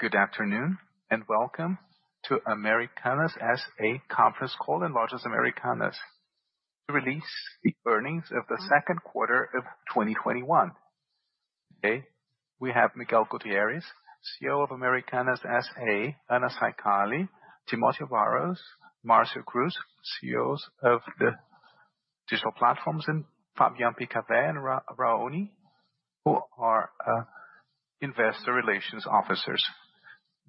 Good afternoon, and welcome to Americanas S.A. Conference Call and Launches Americanas to release the earnings of the second quarter of 2021. Today, we have Miguel Gutierrez, CEO of Americanas S.A., Anna Saicali, Timótheo Barros, Márcio Cruz, CEOs of the digital platforms, and Fabio Abrate and Raoni, who are Investor Relations Officers.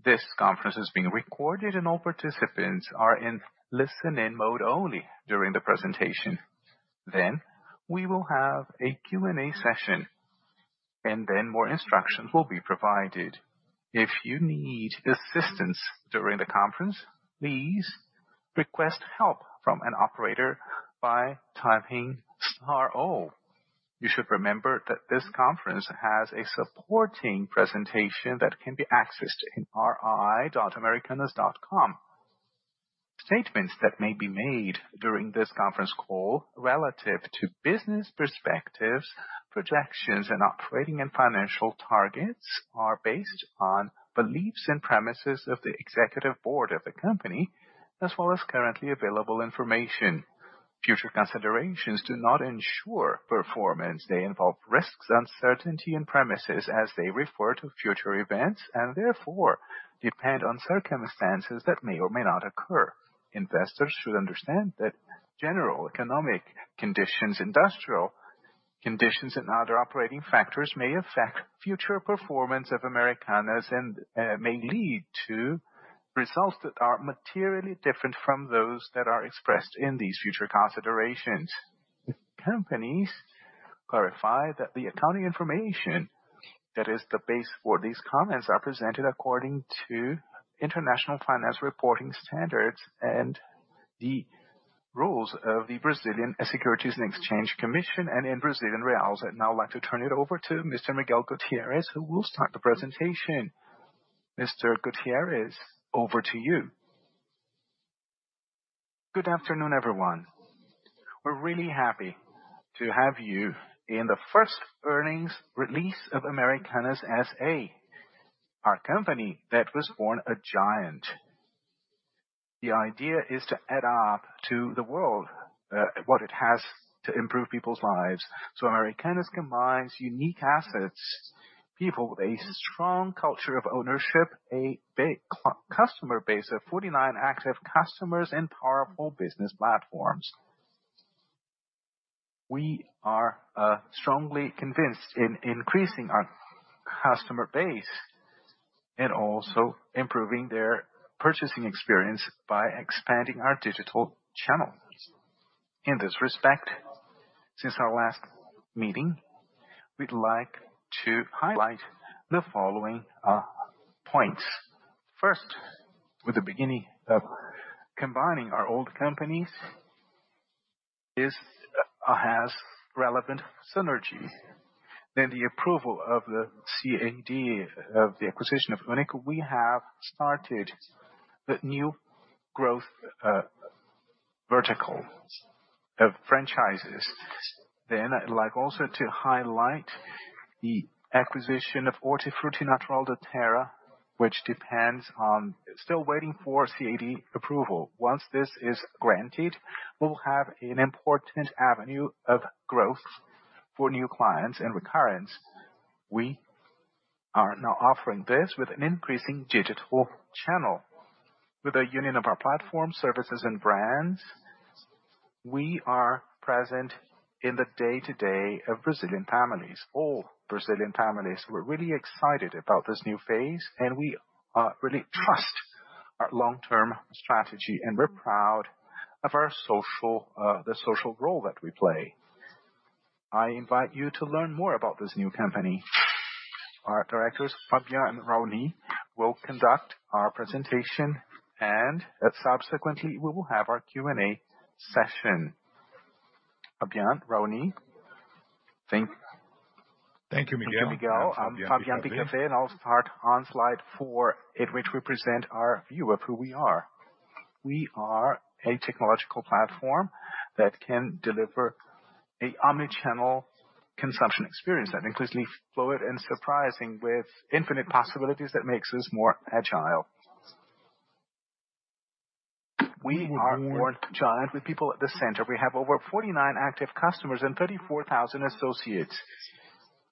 This conference is being recorded, and all participants are in listen-in mode only during the presentation. We will have a Q&A session, and then more instructions will be provided. If you need assistance during the conference, please request help from an operator by typing star zero. You should remember that this conference has a supporting presentation that can be accessed in ri.americanas.com. Statements that may be made during this conference call relative to business perspectives, projections, and operating and financial targets are based on beliefs and premises of the executive board of the company as well as currently available information. Future considerations do not ensure performance. They involve risks, uncertainty, and premises as they refer to future events and therefore depend on circumstances that may or may not occur. Investors should understand that general economic conditions, industrial conditions, and other operating factors may affect future performance of Americanas and may lead to results that are materially different from those that are expressed in these future considerations. The companies clarify that the accounting information that is the base for these comments are presented according to International Financial Reporting Standards and the rules of the Securities and Exchange Commission of Brazil and in Brazilian reals. I'd now like to turn it over to Mr. Miguel Gutierrez, who will start the presentation. Mr. Gutierrez, over to you. Good afternoon, everyone. We're really happy to have you in the first earnings release of Americanas S.A., our company that was born a giant. The idea is to add up to the world what it has to improve people's lives. Americanas combines unique assets, people with a strong culture of ownership, a big customer base of 49 active customers and powerful business platforms. We are strongly convinced in increasing our customer base and also improving their purchasing experience by expanding our digital channels. In this respect, since our last meeting, we'd like to highlight the following points. First, with the beginning of combining our old companies, this has relevant synergies. The approval of the CADE of the acquisition of Uni.co, we have started the new growth vertical of franchises. I'd like also to highlight the acquisition of Hortifruti Natural da Terra, which depends on still waiting for CADE approval. Once this is granted, we'll have an important avenue of growth for new clients and recurrence. We are now offering this with an increasing digital channel. With the union of our platform services and brands, we are present in the day-to-day of Brazilian families, all Brazilian families. We're really excited about this new phase, and we really trust our long-term strategy, and we're proud of the social role that we play. I invite you to learn more about this new company. Our Directors, Fabio Abrate and Raoni, will conduct our presentation, and subsequently, we will have our Q&A session. Fabio Abrate, Raoni. Thank you, Miguel. Thank you, Miguel. I'm Fabio Abrate. I'll start on slide 4, in which we present our view of who we are. We are a technological platform that can deliver an omnichannel consumption experience that includes fluid and surprising with infinite possibilities that makes us more agile. We are born giant with people at the center. We have over 49 active customers and 34,000 associates.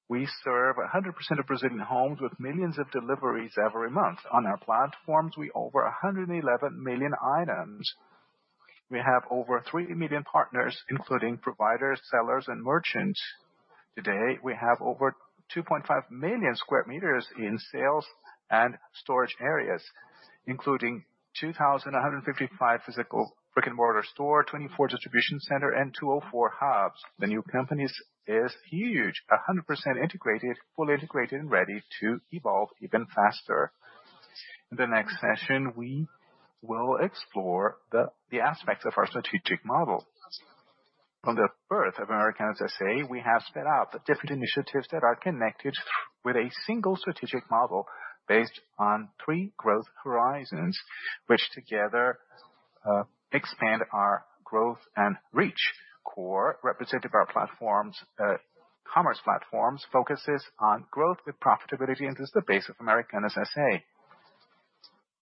We serve 100% of Brazilian homes with millions of deliveries every month. On our platforms, we offer 111 million items. We have over 3 million partners, including providers, sellers, and merchants. Today, we have over 2.5 million sq m in sales and storage areas, including 2,155 physical brick-and-mortar stores, 24 distribution centers, and 204 hubs. The new company is huge, 100% integrated, fully integrated, and ready to evolve even faster. In the next session, we will explore the aspects of our strategic model. From the birth of Americanas S.A., we have sped up the different initiatives that are connected with a 1 strategic model based on 3 growth horizons, which together expand our growth and reach. Core, representative of our commerce platforms, focuses on growth with profitability and is the base of Americanas S.A.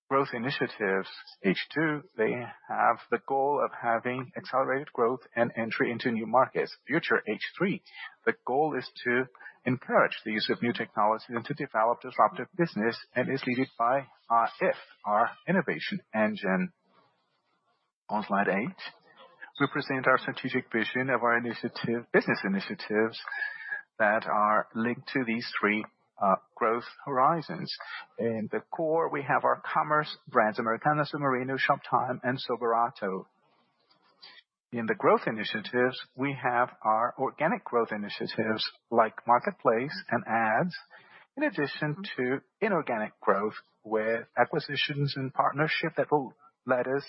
Growth initiatives, H2, they have the goal of having accelerated growth and entry into new markets. Future, H3. The goal is to encourage the use of new technology and to develop disruptive business, and is leaded by our IF, our innovation engine. On slide 8, we present our strategic vision of our business initiatives that are linked to these 3 growth horizons. In the Core, we have our commerce brands, Americanas, Submarino, Shoptime, and Sou Barato. In the growth initiatives, we have our organic growth initiatives like marketplace and ads, in addition to inorganic growth with acquisitions and partnership that will let us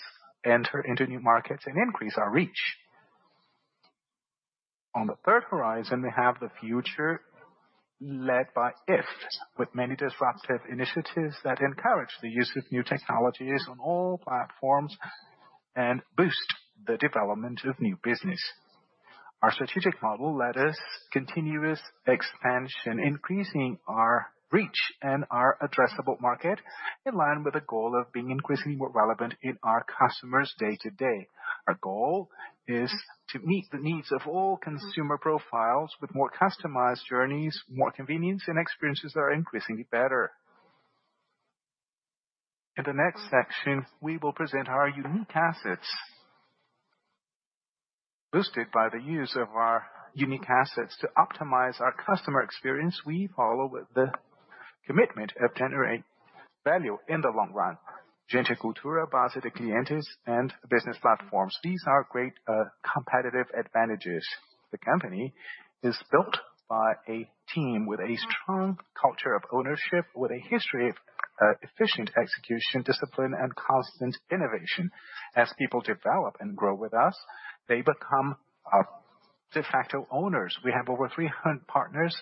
enter into new markets and increase our reach. On the third horizon, we have the future led by IF, with many disruptive initiatives that encourage the use of new technologies on all platforms and boost the development of new business. Our strategic model let us continuous expansion, increasing our reach and our addressable market in line with the goal of being increasingly more relevant in our customers' day-to-day. Our goal is to meet the needs of all consumer profiles with more customized journeys, more convenience, and experiences that are increasingly better. In the next section, we will present our unique assets. Boosted by the use of our unique assets to optimize our customer experience, we follow with the commitment of generating value in the long run. Gente & Cultura, Base de Clientes, and Business Platforms. These are great competitive advantages. The company is built by a team with a strong culture of ownership, with a history of efficient execution, discipline, and constant innovation. As people develop and grow with us, they become de facto owners. We have over 300 partners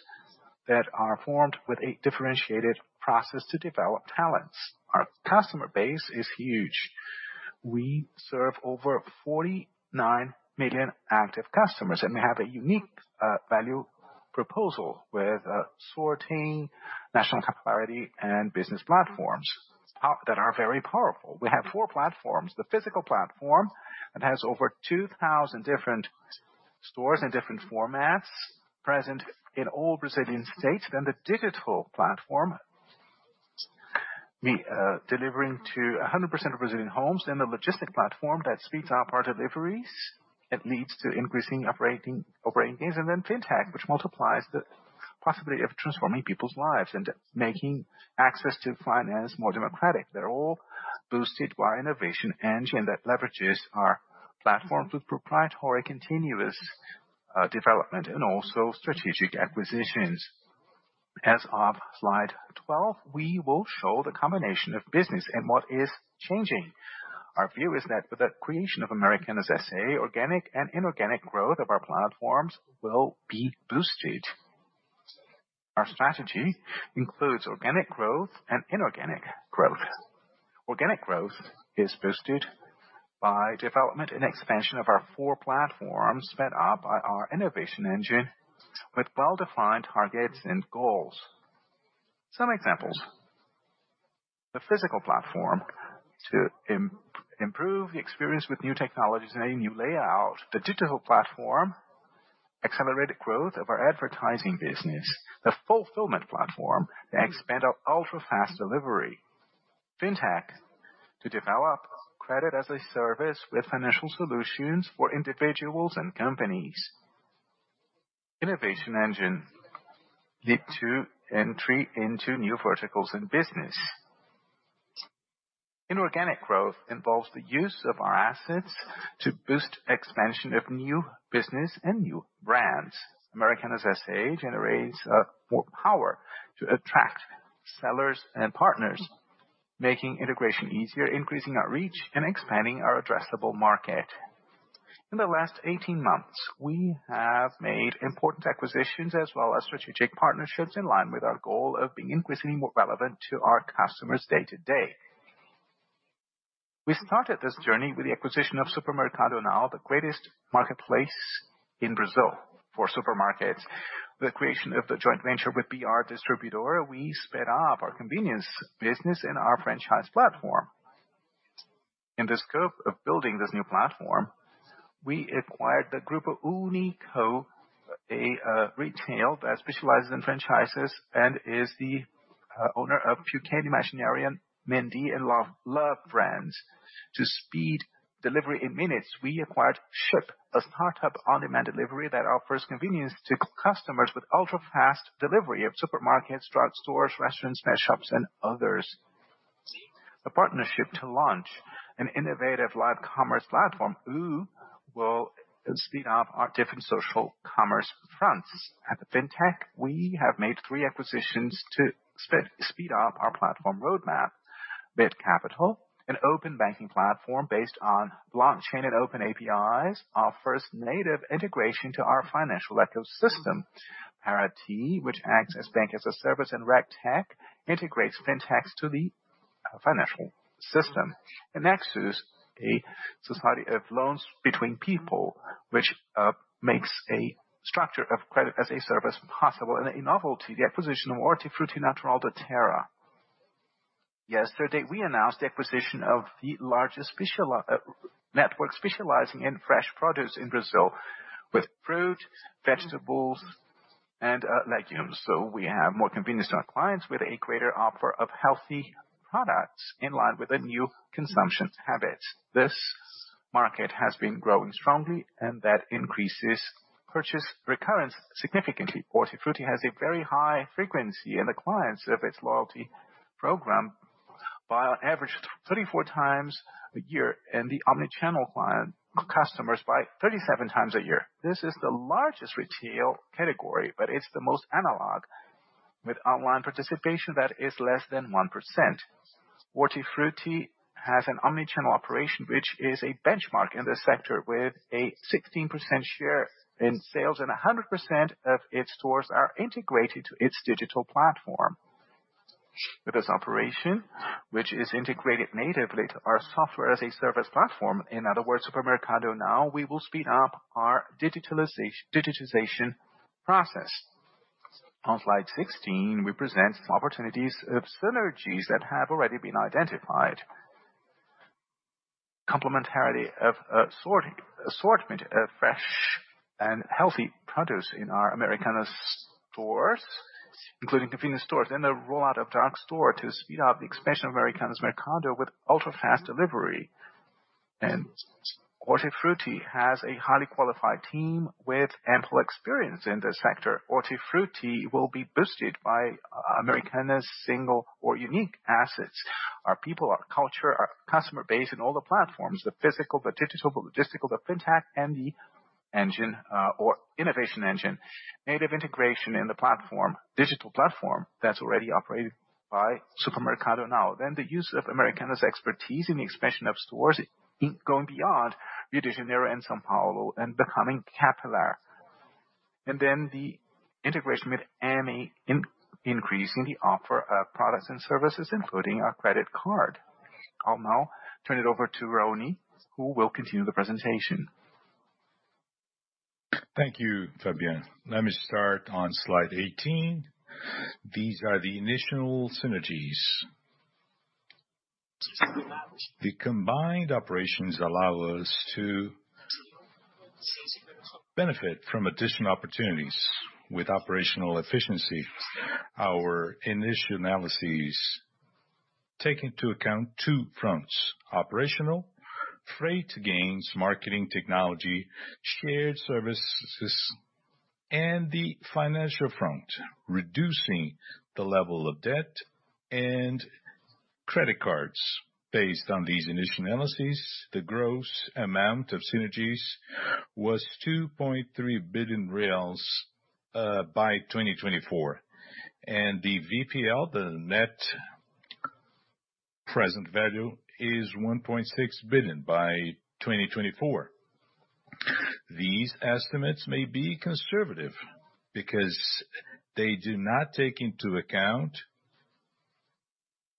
that are formed with a differentiated process to develop talents. Our customer base is huge. We serve over 49 million active customers, and we have a unique value proposal with sorting, national popularity, and business platforms that are very powerful. We have four platforms, the physical platform that has over 2,000 different stores and different formats present in all Brazilian states. The digital platform, delivering to 100% of Brazilian homes. The logistics platform that speeds our deliveries. It leads to increasing operating gains. Fintech, which multiplies the possibility of transforming people's lives and making access to finance more democratic. They're all boosted by innovation engine that leverages our platforms with proprietary continuous development and also strategic acquisitions. As of slide 12, we will show the combination of business and what is changing. Our view is that with the creation of Americanas S.A., organic and inorganic growth of our platforms will be boosted. Our strategy includes organic growth and inorganic growth. Organic growth is boosted by development and expansion of our four platforms, sped up by our innovation engine with well-defined targets and goals. Some examples. The physical platform, to improve the experience with new technologies and a new layout. The digital platform, accelerated growth of our advertising business. The fulfillment platform to expand our ultra-fast delivery. Fintech, to develop credit as a service with financial solutions for individuals and companies. Innovation engine led to entry into new verticals and business. Inorganic growth involves the use of our assets to boost expansion of new business and new brands. Americanas S.A. generates more power to attract sellers and partners, making integration easier, increasing our reach, and expanding our addressable market. In the last 18 months, we have made important acquisitions as well as strategic partnerships in line with our goal of being increasingly more relevant to our customers' day-to-day. We started this journey with the acquisition of Supermercado Now, the greatest marketplace in Brazil for supermarkets. The creation of the joint venture with BR Distribuidora, we sped up our convenience business and our franchise platform. In the scope of building this new platform, we acquired the Grupo Uni.co, a retail that specializes in franchises and is the owner of Puket, Imaginarium, MinD, and Love Brands. To speed delivery in minutes, we acquired Shipp, a startup on-demand delivery that offers convenience to customers with ultra-fast delivery of supermarkets, drugstores, restaurants, pet shops, and others. A partnership to launch an innovative live commerce platform, OOOOO will speed up our different social commerce fronts. At Fintech, we have made 3 acquisitions to speed up our platform roadmap. Bit Capital, an open banking platform based on blockchain and open APIs, offers native integration to our financial ecosystem. Parati, which acts as bank-as-a-service and regtech, integrates Fintechs to the financial system. Nexoos, a society of loans between people which makes a structure of credit as a service possible. A novelty, the acquisition of Hortifruti Natural da Terra. Yesterday, we announced the acquisition of the largest network specializing in fresh produce in Brazil with fruit, vegetables, and legumes. We have more convenience to our clients with a greater offer of healthy products in line with the new consumption habits. This market has been growing strongly and that increases purchase recurrence significantly. Hortifruti has a very high frequency in the clients of its loyalty program by on average 34 times a year, and the omni-channel customers by 37 times a year. This is the largest retail category, but it's the most analog with online participation that is less than 1%. Hortifruti has an omni-channel operation which is a benchmark in this sector with a 16% share in sales and 100% of its stores are integrated to its digital platform. With this operation, which is integrated natively to our software as a service platform, in other words, Supermercado Now, we will speed up our digitization process. On slide 16, we present opportunities of synergies that have already been identified. Complementarity of assortment of fresh and healthy produce in our Americanas stores, including convenience stores, and the rollout of dark store to speed up the expansion of Americanas Mercado with ultra-fast delivery. Hortifruti has a highly qualified team with ample experience in this sector. Hortifruti will be boosted by Americanas' single or unique assets. Our people, our culture, our customer base in all the platforms, the physical, the digital, the logistical, the fintech, and the engine or innovation engine. Native integration in the platform, digital platform that's already operated by Supermercado Now. The use of Americanas' expertise in the expansion of stores in going beyond Rio de Janeiro and São Paulo and becoming capital. The integration with Ame increasing the offer of products and services, including our credit card. I'll now turn it over to Raoni who will continue the presentation. Thank you, Fabio. Let me start on slide 18. These are the initial synergies. The combined operations allow us to benefit from additional opportunities with operational efficiency. Our initial analyses take into account two fronts, operational, freight gains, marketing technology, shared services, and the financial front, reducing the level of debt and credit cards. Based on these initial analyses, the gross amount of synergies was 2.3 billion by 2024. The VPL, the net present value is 1.6 billion by 2024. These estimates may be conservative because they do not take into account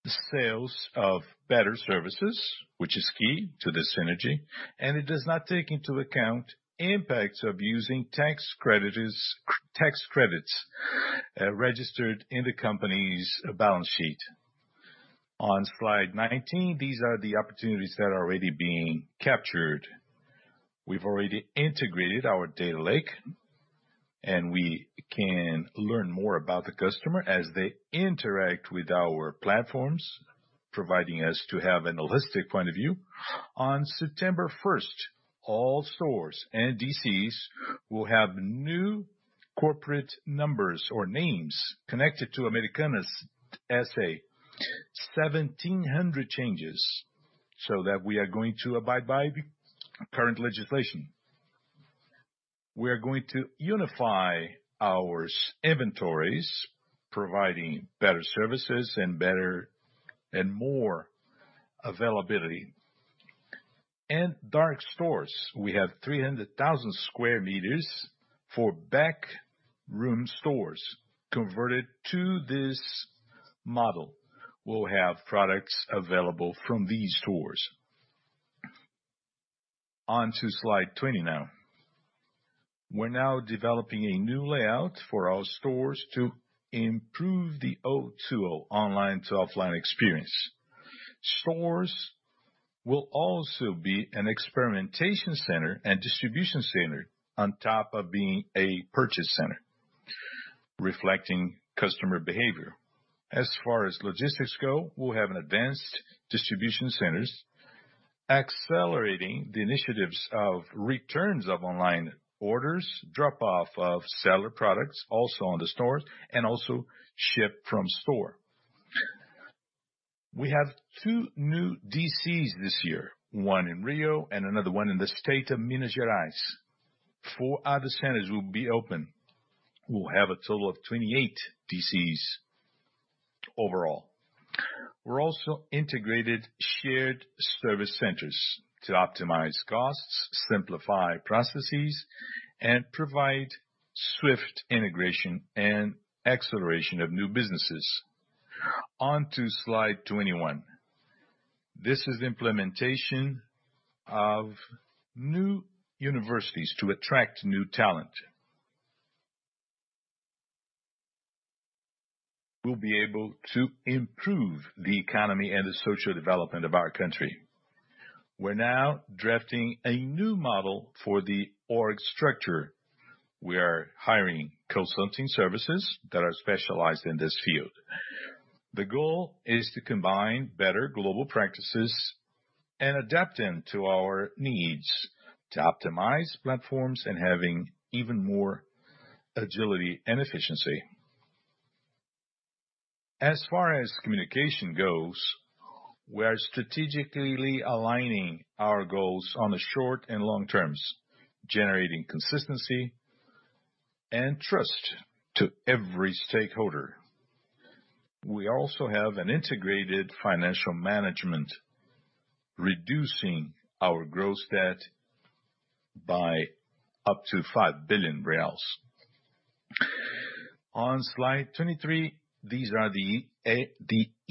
the sales of better services, which is key to this synergy, and it does not take into account impacts of using tax credits registered in the company's balance sheet. On slide 19, these are the opportunities that are already being captured. We've already integrated our data lake, and we can learn more about the customer as they interact with our platforms, providing us to have an holistic point of view. On September 1st, all stores and DCs will have new corporate numbers or names connected to Americanas S.A. 1,700 changes so that we are going to abide by the current legislation. We are going to unify our inventories, providing better services and more availability. Dark stores. We have 300,000 sq m for backroom stores converted to this model. We'll have products available from these stores. On to slide 20 now. We're now developing a new layout for our stores to improve the O2O online to offline experience. Stores will also be an experimentation center and distribution center on top of being a purchase center, reflecting customer behavior. As far as logistics go, we'll have an advanced distribution centers accelerating the initiatives of returns of online orders, drop off of seller products also on the stores, and also ship from store. We have 2 new DCs this year, one in Rio and another one in the state of Minas Gerais. 4 other centers will be open. We'll have a total of 28 DCs overall. We're also integrated shared service centers to optimize costs, simplify processes, and provide swift integration and acceleration of new businesses. On to slide 21. This is implementation of new universities to attract new talent. We'll be able to improve the economy and the social development of our country. We're now drafting a new model for the org structure. We are hiring consulting services that are specialized in this field. The goal is to combine better global practices and adapt them to our needs to optimize platforms and having even more agility and efficiency. As far as communication goes, we are strategically aligning our goals on the short and long terms, generating consistency and trust to every stakeholder. We also have an integrated financial management, reducing our gross debt by up to 5 billion reais. On slide 23, these are the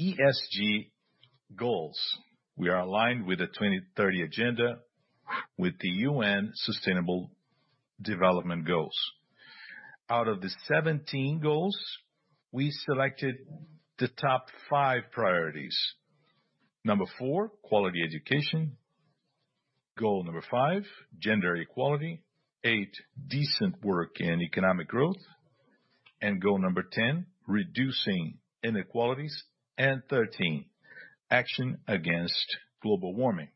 ESG goals. We are aligned with the 2030 agenda with the UN Sustainable Development Goals. Out of the 17 goals, we selected the top five priorities. Number four, quality education. Goal number five, gender equality. Eight, decent work and economic growth. Goal number 10, reducing inequalities, and 13, action against global warming.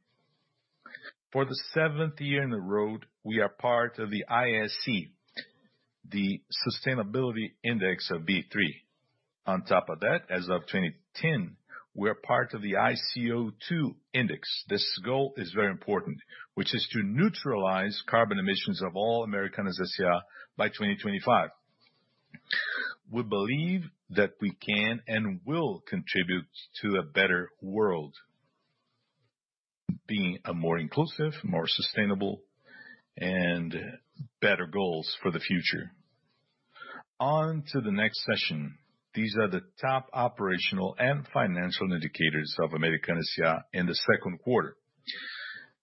For the seventh year in a row, we are part of the ISE, the sustainability index of B3. On top of that, as of 2010, we are part of the ICO2 index. This goal is very important, which is to neutralize carbon emissions of all Americanas by 2025. We believe that we can and will contribute to a better world, being a more inclusive, more sustainable, and better goals for the future. On to the next session. These are the top operational and financial indicators of Americanas in the second quarter.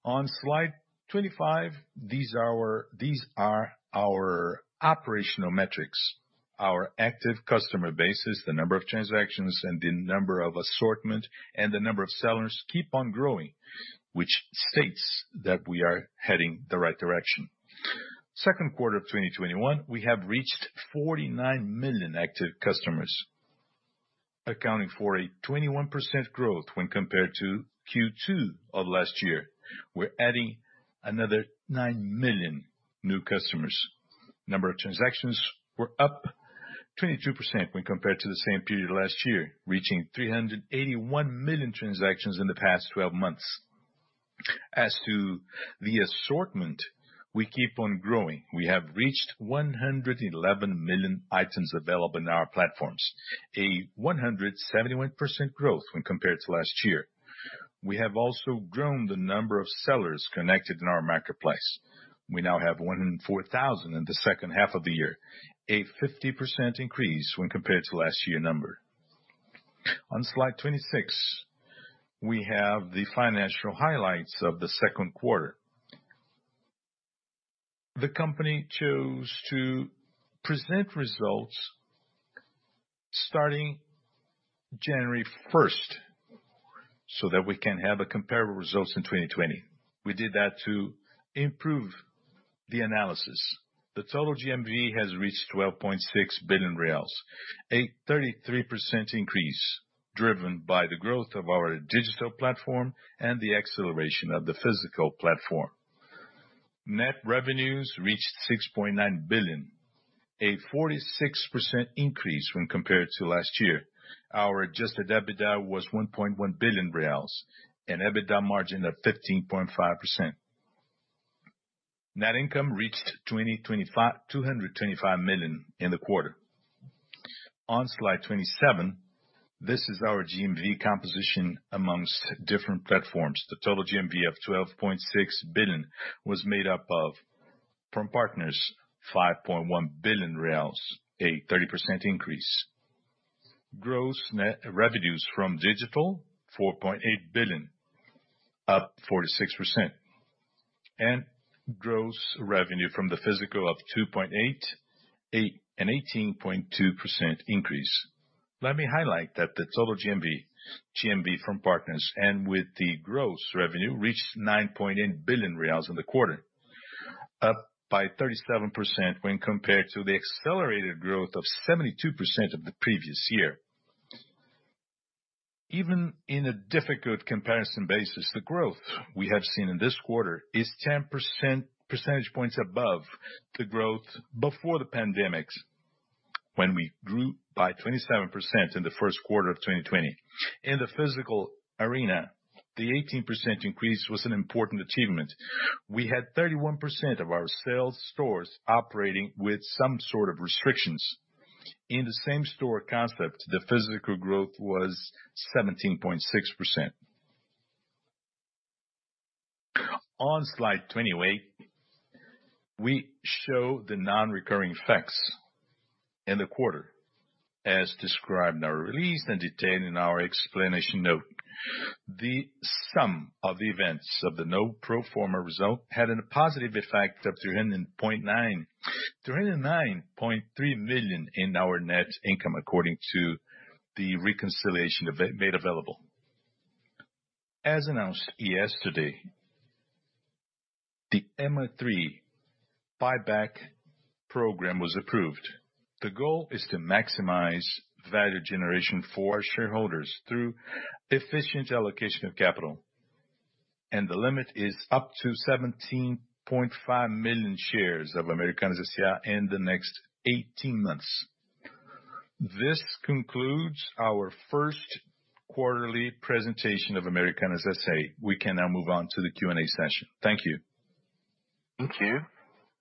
On slide 25, these are our operational metrics, our active customer bases, the number of transactions, and the number of assortment, and the number of sellers keep on growing, which states that we are heading the right direction. Second quarter of 2021, we have reached 49 million active customers, accounting for a 21% growth when compared to Q2 of last year. We're adding another nine million new customers. Number of transactions were up 22% when compared to the same period last year, reaching 381 million transactions in the past 12 months. As to the assortment, we keep on growing. We have reached 111 million items available in our platforms, a 171% growth when compared to last year. We have also grown the number of sellers connected in our marketplace. We now have 104,000 in the second half of the year, a 50% increase when compared to last year's number. On slide 26, we have the financial highlights of the second quarter. The company chose to present results starting January 1st, so that we can have comparable results in 2020. We did that to improve the analysis. The total GMV has reached 12.6 billion reais, a 33% increase driven by the growth of our digital platform and the acceleration of the physical platform. Net revenues reached 6.9 billion, a 46% increase when compared to last year. Our adjusted EBITDA was 1.1 billion reais and EBITDA margin of 15.5%. Net income reached 225 million in the quarter. On slide 27, this is our GMV composition amongst different platforms. The total GMV of 12.6 billion was made up of, from partners, 5.1 billion reais, a 30% increase. Gross net revenues from digital, 4.8 billion, up 46%, and gross revenue from the physical of 2.8 billion, an 18.2% increase. Let me highlight that the total GMV from partners and with the gross revenue reached 9.8 billion reais in the quarter, up by 37% when compared to the accelerated growth of 72% of the previous year. Even in a difficult comparison basis, the growth we have seen in this quarter is 10 percentage points above the growth before the pandemic, when we grew by 27% in the first quarter of 2020. In the physical arena, the 18% increase was an important achievement. We had 31% of our sales stores operating with some sort of restrictions. In the same store concept, the physical growth was 17.6%. On slide 28, we show the non-recurring facts in the quarter as described in our release and detailed in our explanation note. The sum of the events of the no pro forma result had a positive effect of 309.3 million in our net income, according to the reconciliation made available. As announced yesterday, the AMER3 program was approved. The goal is to maximize value generation for our shareholders through efficient allocation of capital, and the limit is up to 17.5 million shares of Americanas S.A. in the next 18 months. This concludes our first quarterly presentation of Americanas S.A. We can now move on to the Q&A session. Thank you. Thank you.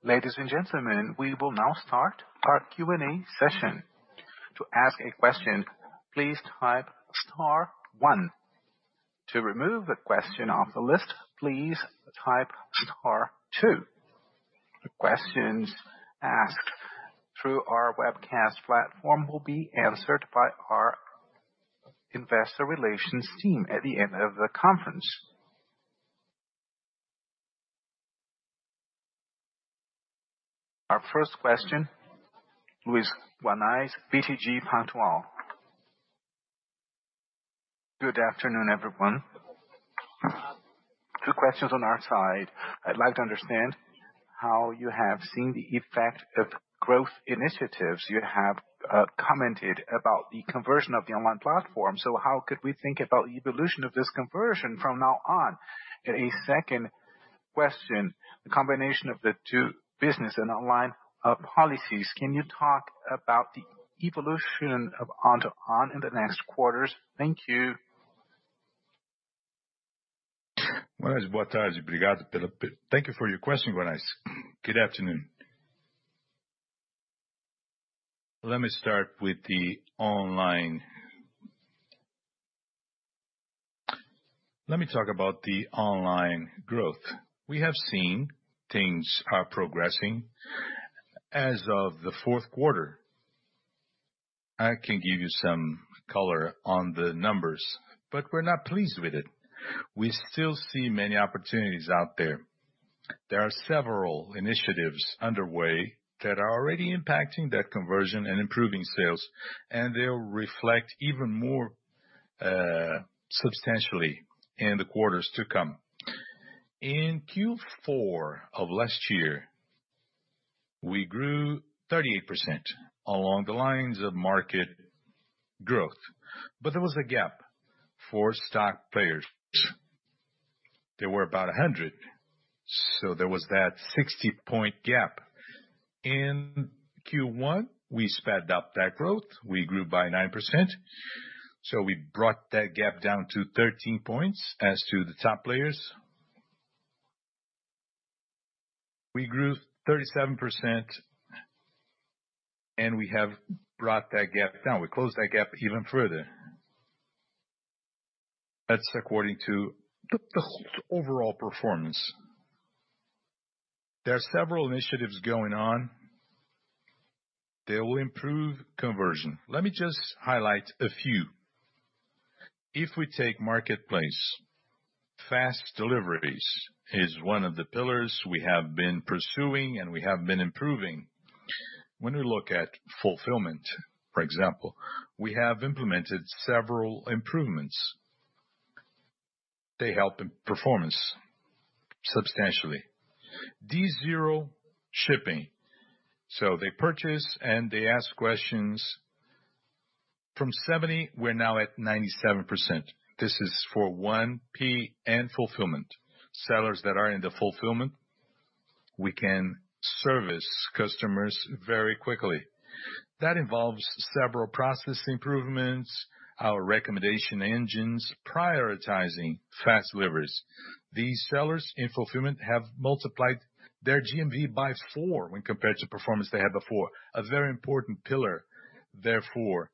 Ladies and gentlemen, we will now start our Q&A session. To ask a question, please type star one. To remove a question off the list, please type star two. The questions asked through our webcast platform will be answered by our investor relations team at the end of the conference. Our first question, Luiz Guanais, BTG Pactual. Good afternoon, everyone. 2 questions on our side. I'd like to understand how you have seen the effect of growth initiatives. You have commented about the conversion of the online platform. How could we think about the evolution of this conversion from now on? A 2nd question, the combination of the 2 business and online policies. Can you talk about the evolution of O2O in the next quarters? Thank you. Thank you for your question, Guanais. Good afternoon. Let me talk about the online growth. We have seen things are progressing as of the fourth quarter. I can give you some color on the numbers, but we're not pleased with it. We still see many opportunities out there. There are several initiatives underway that are already impacting that conversion and improving sales, and they'll reflect even more substantially in the quarters to come. In Q4 of last year, we grew 38% along the lines of market growth. There was a gap for stock players. There were about 100, so there was that 60-point gap. In Q1, we sped up that growth. We grew by 9%, so we brought that gap down to 13 points. As to the top players, we grew 37%, and we have brought that gap down. We closed that gap even further. That's according to the overall performance. There are several initiatives going on that will improve conversion. Let me just highlight a few. If we take marketplace, fast deliveries is one of the pillars we have been pursuing, and we have been improving. When we look at fulfillment, for example, we have implemented several improvements. They help in performance substantially. D-Zero shipping. They purchase and they ask questions. From 70%, we're now at 97%. This is for 1P and fulfillment. Sellers that are into fulfillment, we can service customers very quickly. That involves several process improvements, our recommendation engines, prioritizing fast deliveries. These sellers in fulfillment have multiplied their GMV by 4 when compared to performance they had before. A very important pillar, therefore,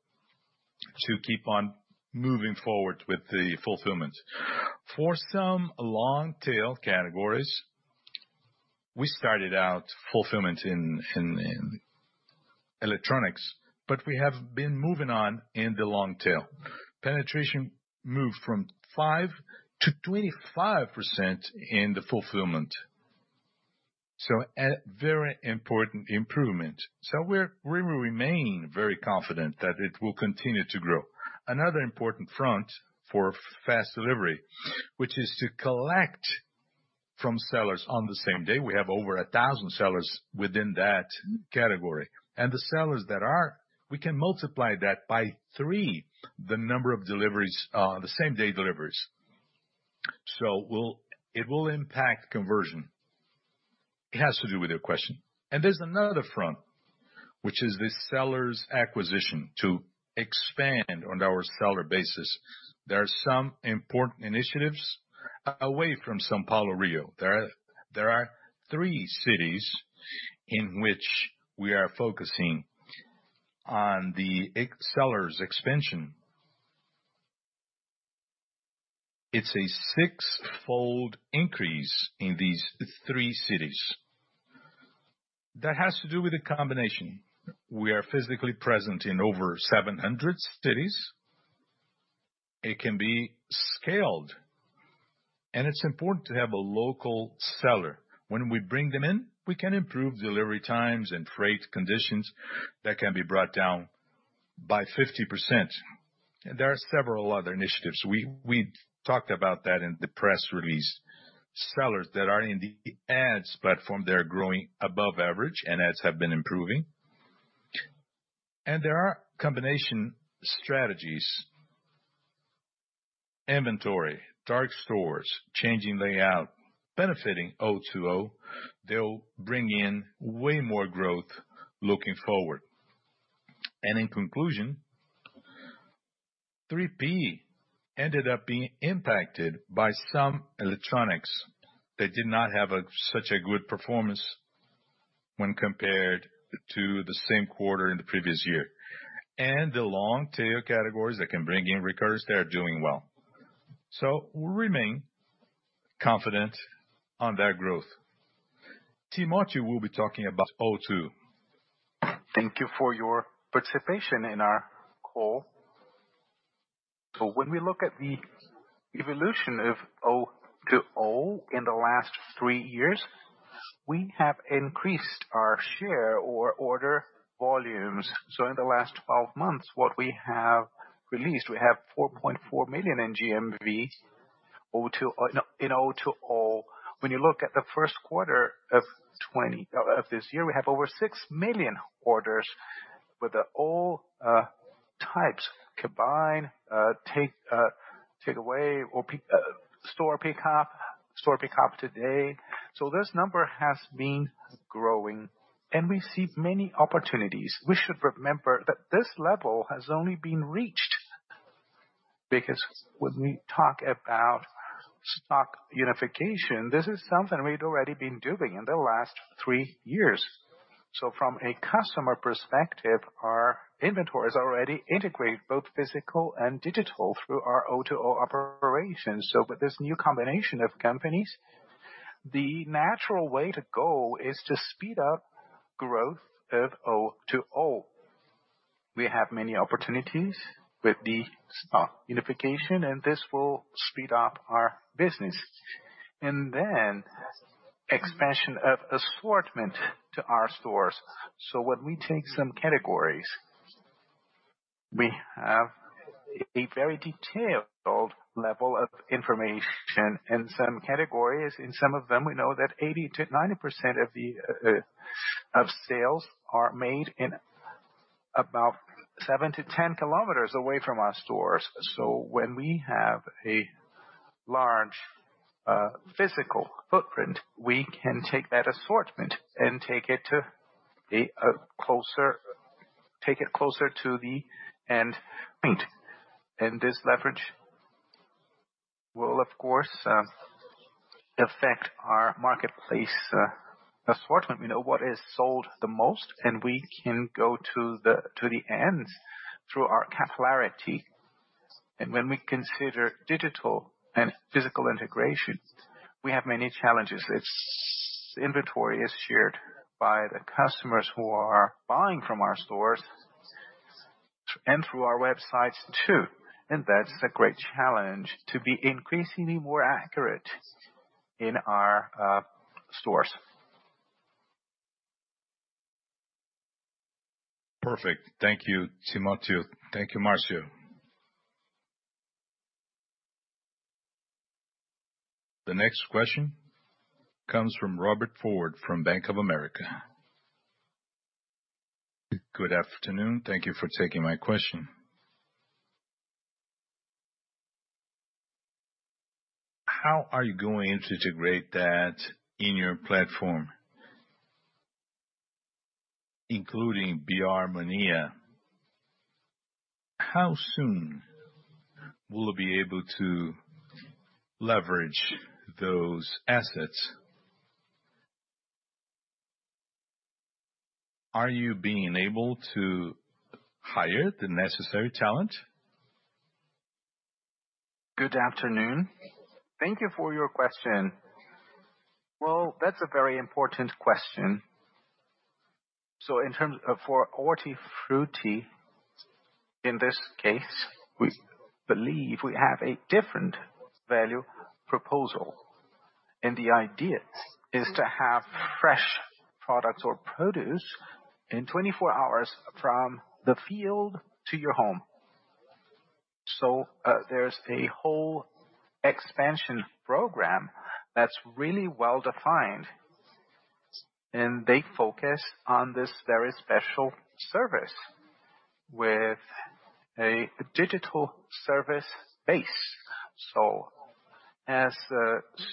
to keep on moving forward with the fulfillment. For some long-tail categories, we started out fulfillment in electronics, but we have been moving on in the long tail. Penetration moved from 5%-25% in the fulfillment. A very important improvement. We will remain very confident that it will continue to grow. Another important front for fast delivery, which is to collect from sellers on the same day. We have over 1,000 sellers within that category, and the sellers that are, we can multiply that by 3, the number of same-day deliveries. It will impact conversion. It has to do with your question. There's another front, which is the sellers' acquisition to expand on our seller basis. There are some important initiatives away from São Paulo, Rio. There are 3 cities in which we are focusing on the sellers' expansion. It's a 6-fold increase in these 3 cities. That has to do with the combination. We are physically present in over 700 cities. It can be scaled, and it's important to have a local seller. When we bring them in, we can improve delivery times and freight conditions that can be brought down by 50%. There are several other initiatives. We talked about that in the press release. Sellers that are in the ads platform, they're growing above average, and ads have been improving. There are combination strategies, inventory, dark stores, changing layout, benefiting O2O, they'll bring in way more growth looking forward. In conclusion, 3P ended up being impacted by some electronics that did not have such a good performance when compared to the same quarter in the previous year. The long-tail categories that can bring in recurs, they're doing well. We remain confident on that growth. Timótheo will be talking about O2O. Thank you for your participation in our call. When we look at the evolution of O2O in the last 3 years, we have increased our share or order volumes. In the last 12 months, what we have released, we have 4.4 million in GMV in O2O. When you look at the 1st quarter of this year, we have over 6 million orders with the all types combined, take away or store pickup, store pickup today. This number has been growing, and we see many opportunities. We should remember that this level has only been reached because when we talk about stock unification, this is something we'd already been doing in the last 3 years. From a customer perspective, our inventory is already integrated, both physical and digital, through our O2O operations. With this new combination of companies, the natural way to go is to speed up growth of O2O. We have many opportunities with the stock unification, this will speed up our business. Expansion of assortment to our stores. When we take some categories, we have a very detailed level of information and some categories, in some of them, we know that 80%-90% of sales are made in about 7-10 km away from our stores. When we have a large physical footprint, we can take that assortment and take it closer to the end point. This leverage will, of course, affect our marketplace assortment. We know what is sold the most, we can go to the ends through our capillarity. When we consider digital and physical integration, we have many challenges. Its inventory is shared by the customers who are buying from our stores and through our websites too. That's a great challenge to be increasingly more accurate in our stores. Perfect. Thank you, Timótheo. Thank you, Márcio. The next question comes from Robert Ford from Bank of America. Good afternoon. Thank you for taking my question. How are you going to integrate that in your platform, including BR Mania? How soon will you be able to leverage those assets? Are you being able to hire the necessary talent? That's a very important question. For Hortifruti, in this case, we believe we have a different value proposal, and the idea is to have fresh products or produce in 24 hours from the field to your home. There's a whole expansion program that's really well-defined, and they focus on this very special service with a digital service base. As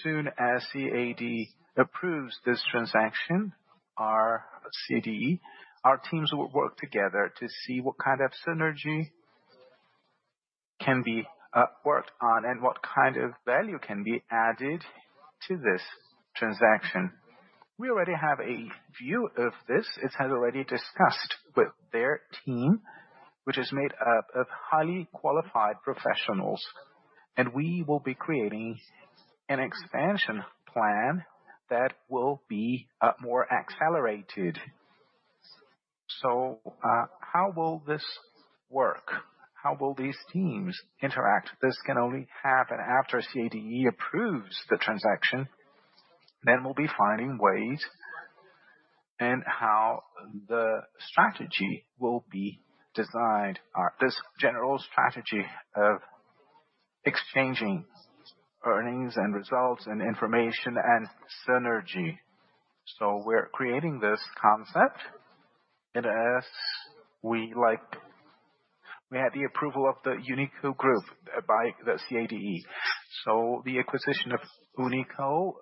soon as CADE approves this transaction, our CDE, our teams will work together to see what kind of synergy can be worked on and what kind of value can be added to this transaction. We already have a view of this. It has already discussed with their team, which is made up of highly qualified professionals, and we will be creating an expansion plan that will be more accelerated. How will this work? How will these teams interact? This can only happen after CADE approves the transaction, then we'll be finding ways and how the strategy will be designed. This general strategy of exchanging earnings and results and information and synergy. We're creating this concept, as we had the approval of the Uni.co group by the CADE. The acquisition of Uni.co,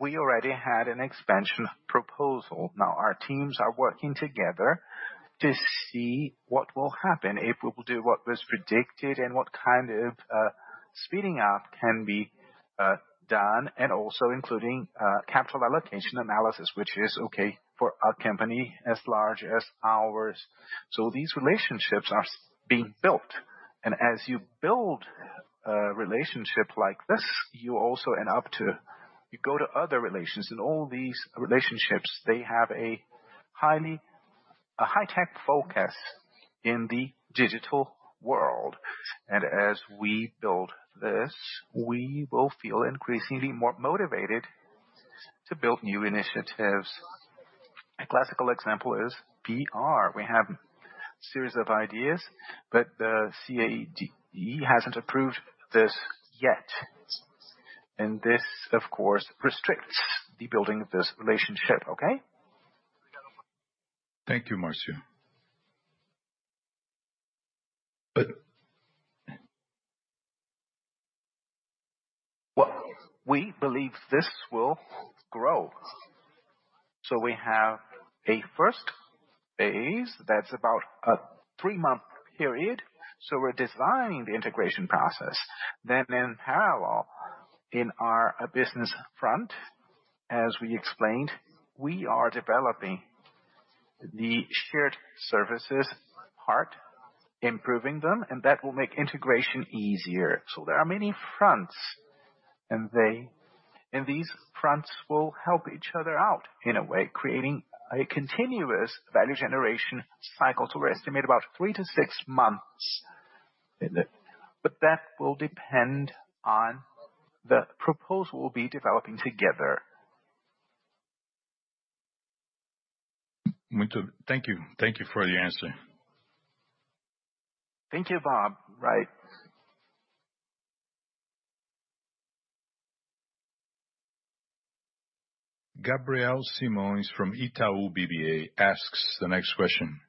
we already had an expansion proposal. Our teams are working together to see what will happen, if we will do what was predicted and what kind of speeding up can be done, and also including capital allocation analysis, which is okay for a company as large as ours. These relationships are being built. As you build a relationship like this, you go to other relations. All these relationships, they have a high-tech focus in the digital world. As we build this, we will feel increasingly more motivated to build new initiatives. A classical example is BR. We have a series of ideas, but the CADE hasn't approved this yet. This, of course, restricts the building of this relationship. Okay? Thank you, Márcio. Well, we believe this will grow. We have a first phase that's about a three-month period. We're designing the integration process. In parallel, in our business front, as we explained, we are developing the shared services part, improving them, and that will make integration easier. There are many fronts, and these fronts will help each other out in a way, creating a continuous value generation cycle to estimate about three to six months. That will depend on the proposal we'll be developing together. Thank you. Thank you for the answer. Thank you, Bob. Right. Gabriel Simões from Itaú BBA asks the next question.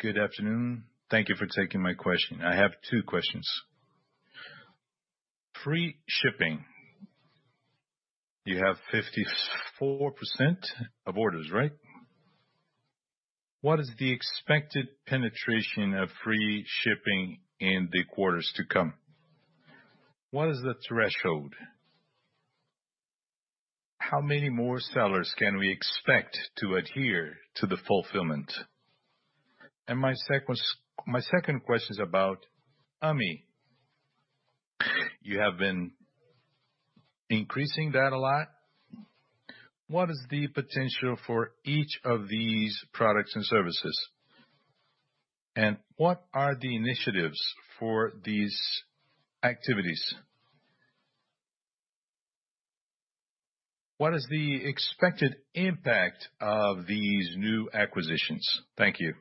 Good afternoon. Thank you for taking my question. I have two questions. Free shipping. You have 54% of orders, right? What is the expected penetration of free shipping in the quarters to come? What is the threshold? How many more sellers can we expect to adhere to the fulfillment? My second question is about Ame. You have been increasing that a lot. What is the potential for each of these products and services? What are the initiatives for these activities? What is the expected impact of these new acquisitions? Thank you.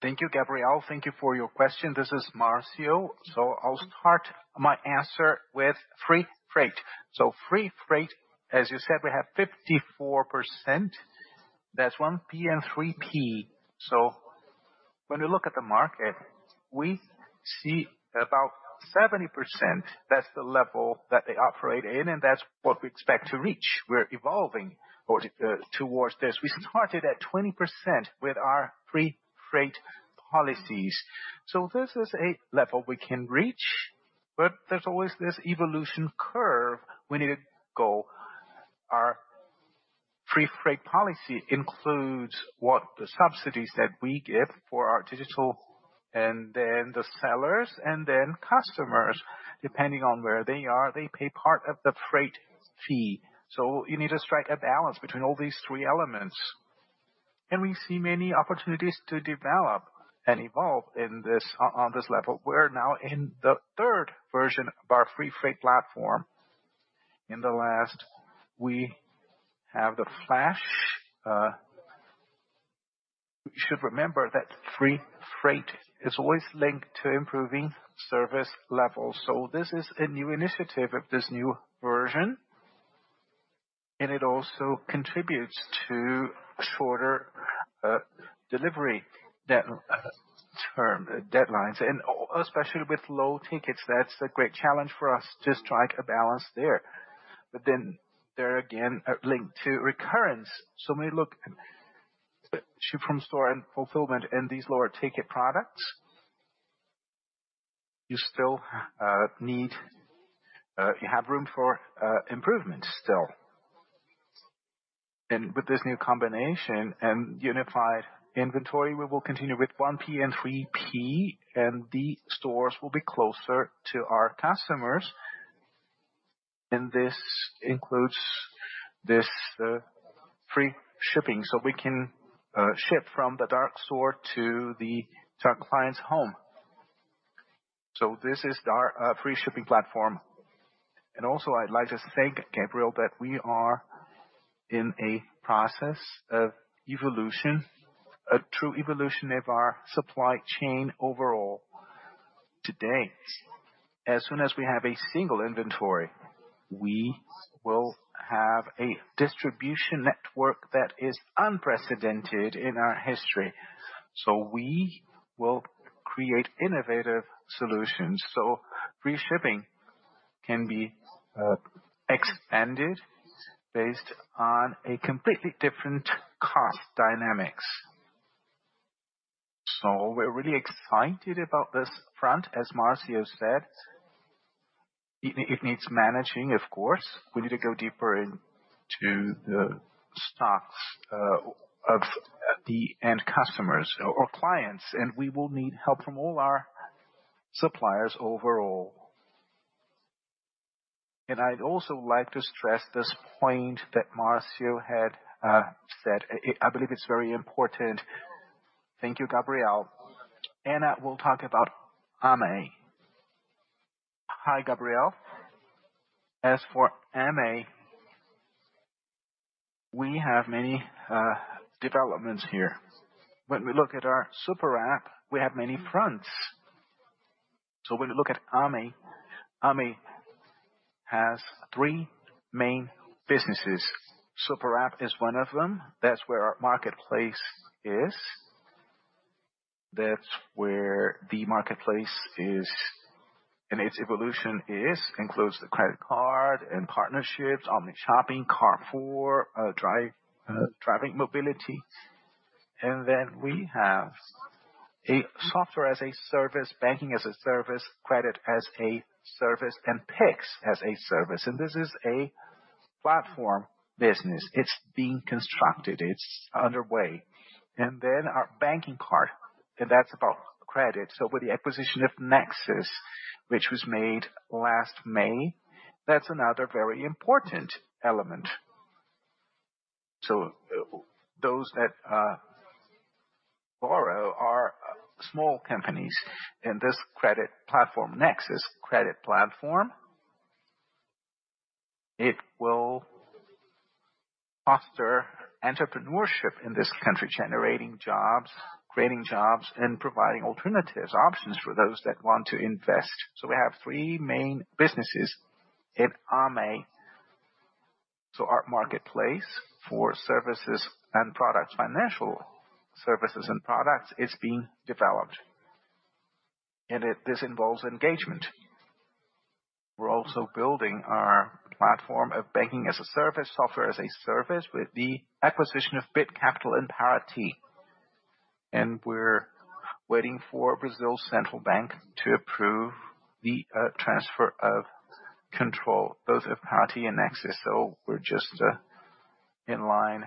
Thank you, Gabriel. Thank you for your question. This is Márcio. I'll start my answer with free freight. Free freight, as you said, we have 54%. That's 1P and 3P. When we look at the market, we see about 70%. That's the level that they operate in, and that's what we expect to reach. We're evolving towards this. We started at 20% with our free freight policies. This is a level we can reach, but there's always this evolution curve we need to go. Our free freight policy includes what the subsidies that we give for our digital and then the sellers and then customers, depending on where they are, they pay part of the freight fee. You need to strike a balance between all these three elements. We see many opportunities to develop and evolve on this level. We're now in the third version of our free freight platform. In the last, we have the flash. You should remember that free freight is always linked to improving service levels. This is a new initiative of this new version, and it also contributes to shorter delivery term deadlines. Especially with low tickets, that's a great challenge for us to strike a balance there. They're again linked to recurrence. When we look at ship from store and fulfillment and these lower ticket products. You have room for improvement still. With this new combination and unified inventory, we will continue with 1P and 3P, and the stores will be closer to our customers. This includes this free shipping, so we can ship from the dark store to the client's home. This is our free shipping platform. I'd like to thank Gabriel, that we are in a process of evolution, a true evolution of our supply chain overall today. As soon as we have a single inventory, we will have a distribution network that is unprecedented in our history. We will create innovative solutions. Free shipping can be expanded based on a completely different cost dynamics. We're really excited about this front, as Márcio said. It needs managing, of course. We need to go deeper into the stocks of the end customers or clients, and we will need help from all our suppliers overall. I'd also like to stress this point that Márcio had said. I believe it's very important. Thank you, Gabriel. Anna will talk about Ame. Hi, Gabriel. As for Ame, we have many developments here. When we look at our super app, we have many fronts. When you look at Ame has three main businesses. Super app is one of them. That's where our marketplace is. That's where the marketplace is, and its evolution includes the credit card and partnerships, omni-shopping, Carrefour, driving mobility. We have a software as a service, bank-as-a-service, credit-as-a-service, and Pix as a service. This is a platform business. It's being constructed, it's underway. Our banking card, that's about credit. With the acquisition of Nexoos, which was made last May, that's another very important element. Those that borrow are small companies in this credit platform, Nexoos credit platform. It will foster entrepreneurship in this country, generating jobs, creating jobs, and providing alternatives, options for those that want to invest. We have three main businesses in Ame. Our marketplace for services and products, financial services and products, is being developed. This involves engagement. We're also building our platform of bank-as-a-service, software as a service with the acquisition of Bit Capital and Parati. We're waiting for Brazil's Central Bank to approve the transfer of control, both of Parati and Nexus. We're just in line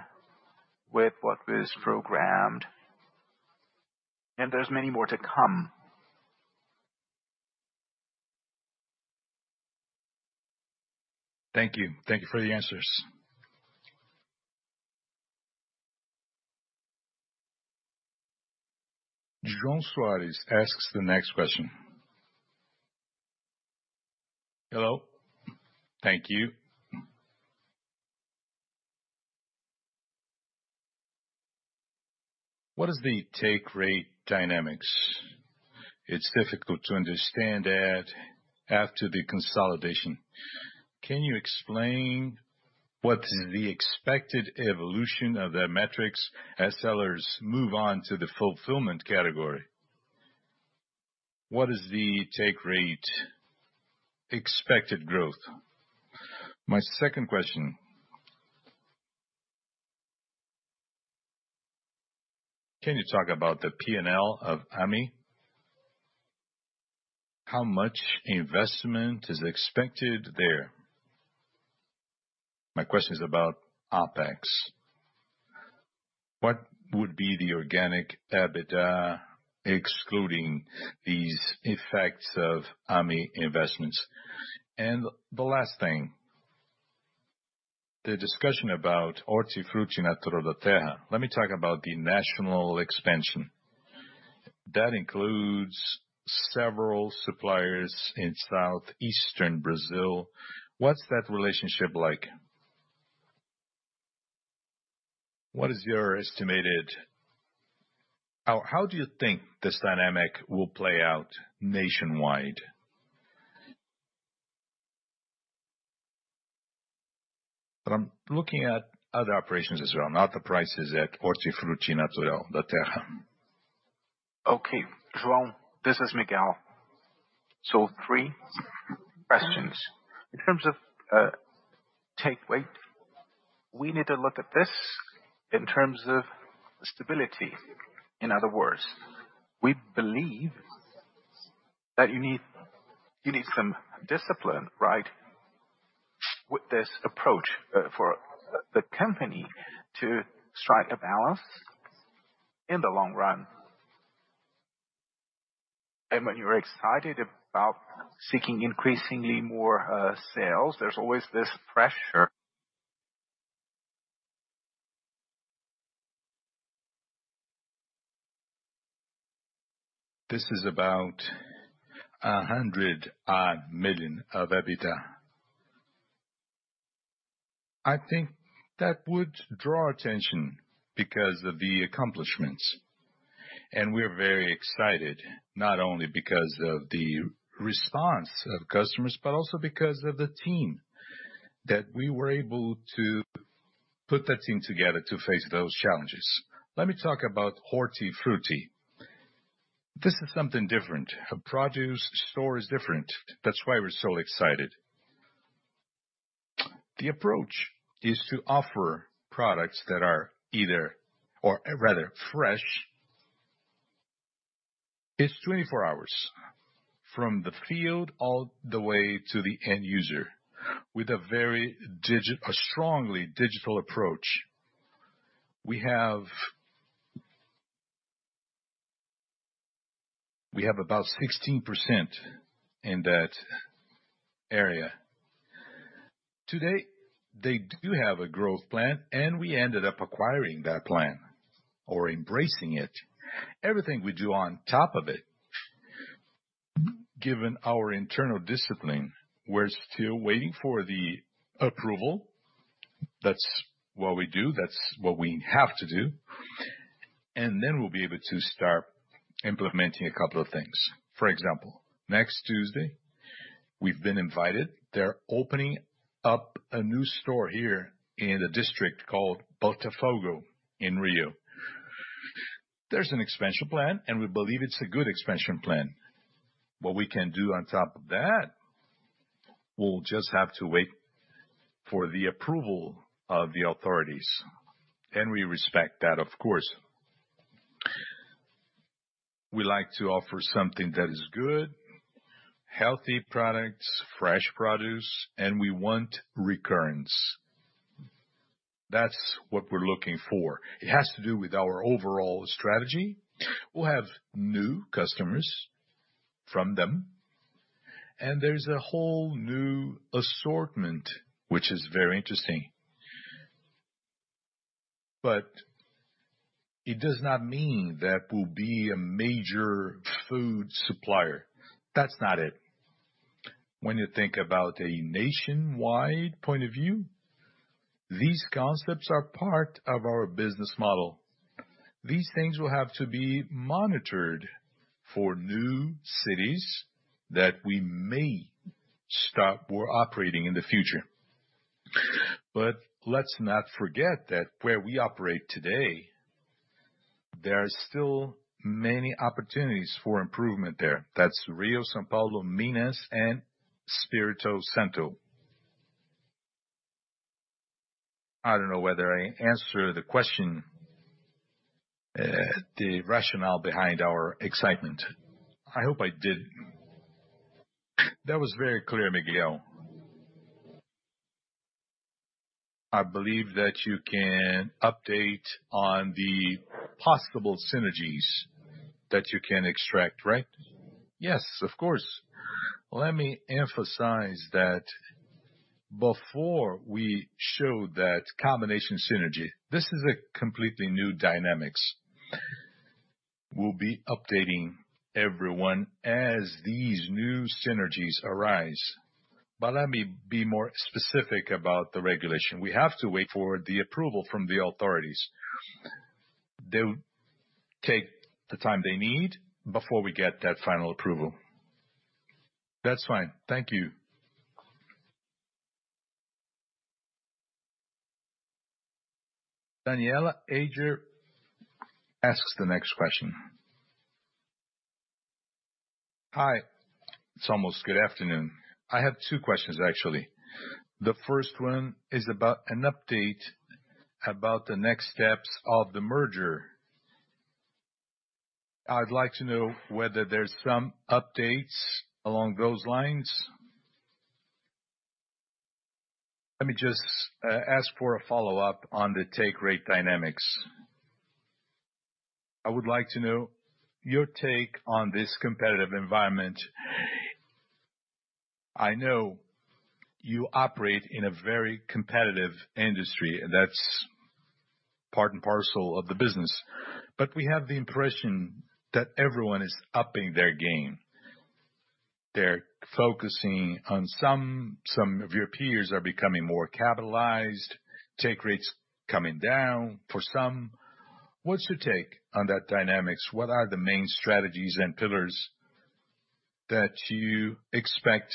with what was programmed. There's many more to come. Thank you. Thank you for the answers. João Soares asks the next question. Hello. Thank you. What is the take rate dynamics? It's difficult to understand that after the consolidation. Can you explain what is the expected evolution of the metrics as sellers move on to the fulfillment category? What is the take rate expected growth? My second question. Can you talk about the P&L of Ame? How much investment is expected there? My question is about OPEX. What would be the organic EBITDA excluding these effects of Ame investments? The last thing, the discussion about Hortifruti Natural da Terra. Let me talk about the national expansion. That includes several suppliers in southeastern Brazil. What's that relationship like? How do you think this dynamic will play out nationwide? I'm looking at other operations as well, not the prices at Hortifruti Natural da Terra. Okay, João, this is Miguel. Three questions. In terms of take rate, we need to look at this in terms of stability. In other words, we believe that you need some discipline, right? With this approach for the company to strike a balance in the long run. When you're excited about seeking increasingly more sales, there's always this pressure. This is about 100 million of EBITDA. I think that would draw attention because of the accomplishments. We're very excited, not only because of the response of customers, but also because of the team, that we were able to put that team together to face those challenges. Let me talk about Hortifruti. This is something different. A produce store is different. That's why we're so excited. The approach is to offer products that are either or rather fresh. It's 24 hours from the field all the way to the end user with a strongly digital approach. We have about 16% in that area. Today, they do have a growth plan. We ended up acquiring that plan or embracing it. Everything we do on top of it, given our internal discipline, we're still waiting for the approval. That's what we do. That's what we have to do. Then we'll be able to start implementing a couple of things. For example, next Tuesday, we've been invited. They're opening up a new store here in a district called Botafogo in Rio. There's an expansion plan. We believe it's a good expansion plan. What we can do on top of that, we'll just have to wait for the approval of the authorities. We respect that, of course. We like to offer something that is good, healthy products, fresh produce, and we want recurrence. That's what we're looking for. It has to do with our overall strategy. We'll have new customers from them, and there's a whole new assortment, which is very interesting. It does not mean that we'll be a major food supplier. That's not it. When you think about a nationwide point of view, these concepts are part of our business model. These things will have to be monitored for new cities that we may be operating in the future. Let's not forget that where we operate today, there are still many opportunities for improvement there. That's Rio, São Paulo, Minas, and Espírito Santo. I don't know whether I answered the question, the rationale behind our excitement. I hope I did. That was very clear, Miguel. I believe that you can update on the possible synergies that you can extract, right? Yes, of course. Let me emphasize that before we show that combination synergy, this is a completely new dynamics. We'll be updating everyone as these new synergies arise. Let me be more specific about the regulation. We have to wait for the approval from the authorities. They'll take the time they need before we get that final approval. That's fine. Thank you. Daniela Elger asks the next question. Hi. It's almost good afternoon. I have 2 questions, actually. The first one is about an update about the next steps of the merger. I'd like to know whether there's some updates along those lines. Let me just ask for a follow-up on the take rate dynamics. I would like to know your take on this competitive environment. I know you operate in a very competitive industry, and that's part and parcel of the business. We have the impression that everyone is upping their game. They're focusing on some of your peers are becoming more capitalized, take rates coming down for some. What's your take on that dynamics? What are the main strategies and pillars that you expect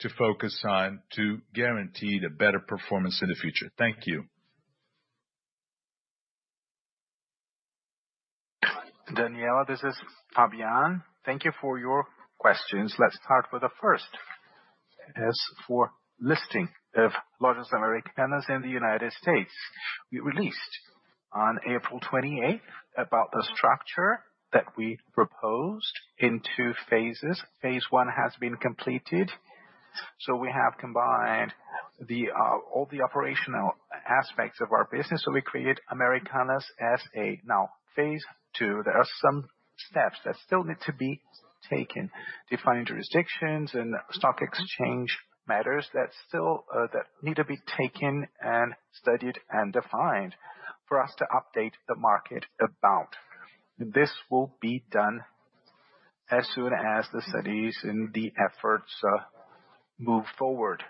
to focus on to guarantee the better performance in the future? Thank you. Daniela, this is Fabio. Thank you for your questions. Let's start with the first. As for listing of Lojas Americanas in the U.S., we released on April 28th about the structure that we proposed in 2 phases. Phase 1 has been completed. We have combined all the operational aspects of our business. We create Americanas S.A. now. Phase II, there are some steps that still need to be taken. Define jurisdictions and stock exchange matters that need to be taken and studied, and defined for us to update the market about. This will be done as soon as the studies and the efforts move forward.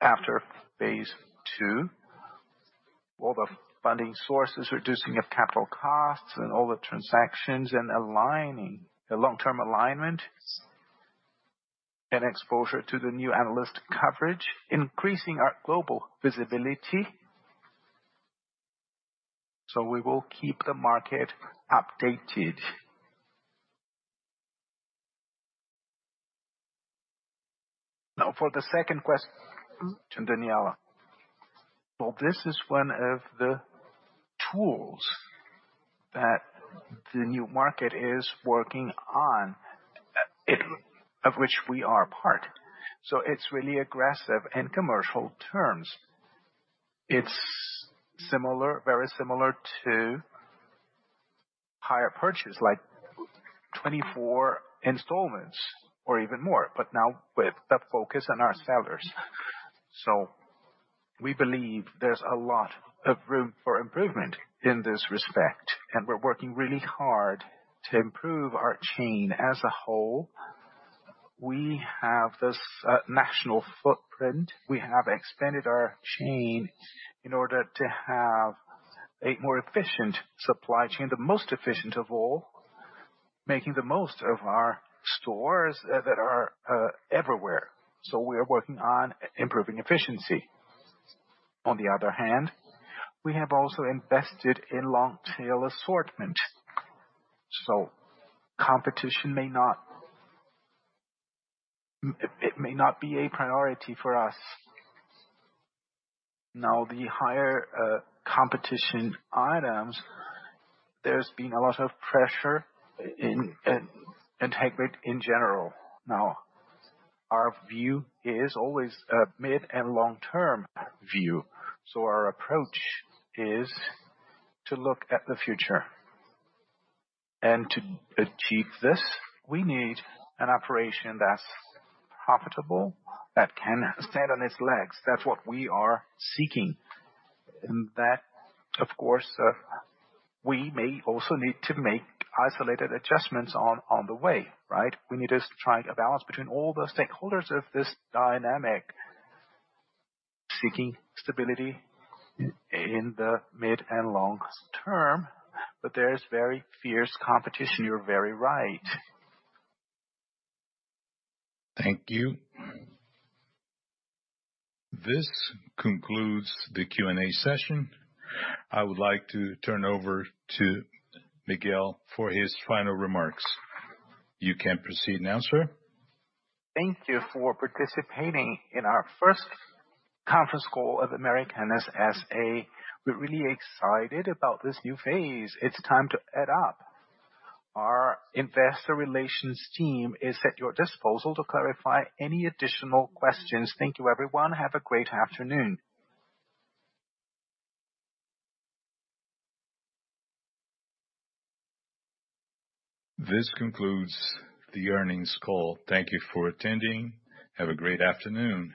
After Phase 2, all the funding sources, reducing of capital costs and all the transactions and aligning the long-term alignment and exposure to the new analyst coverage, increasing our global visibility. We will keep the market updated. For the second question, Daniela. Well, this is one of the tools that the new market is working on, of which we are a part. It's really aggressive in commercial terms. It's very similar to hire purchase, like 24 installments or even more. Now with the focus on our sellers. We believe there's a lot of room for improvement in this respect, and we're working really hard to improve our chain as a whole. We have this national footprint. We have expanded our chain in order to have a more efficient supply chain, the most efficient of all, making the most of our stores that are everywhere. We are working on improving efficiency. On the other hand, we have also invested in long-tail assortment, competition may not be a priority for us. The higher competition items, there's been a lot of pressure in integrity in general. Our view is always a mid and long-term view. Our approach is to look at the future and to achieve this, we need an operation that's profitable, that can stand on its legs. That's what we are seeking. That, of course, we may also need to make isolated adjustments on the way, right? We need to strike a balance between all the stakeholders of this dynamic, seeking stability in the mid and long term. There is very fierce competition. You're very right. Thank you. This concludes the Q&A session. I would like to turn over to Miguel for his final remarks. You can proceed now, sir. Thank you for participating in our first conference call of Americanas S.A. We're really excited about this new phase. It's time to add up. Our investor relations team is at your disposal to clarify any additional questions. Thank you everyone. Have a great afternoon. This concludes the earnings call. Thank you for attending. Have a great afternoon.